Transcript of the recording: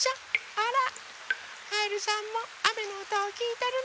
あらカエルさんもあめのおとをきいてるのね。